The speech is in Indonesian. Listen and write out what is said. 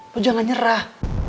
lo jangan nyerah